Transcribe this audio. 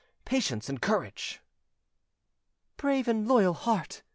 "Patience and courage!" "Brave and loyal heart!"